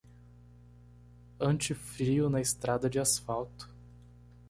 Anti-frio na estrada de asfalto